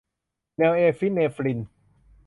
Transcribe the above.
นอร์เอพิเนฟริน